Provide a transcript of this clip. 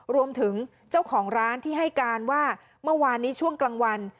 รวมถึงเจ้าของร้านที่ให้การว่าเมื่อวานนี้ช่วงกลางวัน